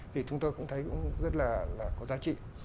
thì chúng tôi cũng thấy cũng rất là có giá trị